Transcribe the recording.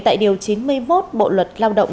tại điều chín mươi một bộ luật lao động